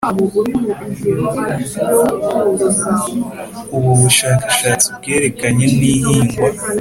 Ubu bushakashatsi bwerekanye n’ihingwa.